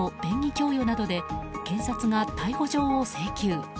供与などで検察が逮捕状を請求。